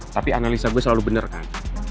tapi analisa gue selalu bener kan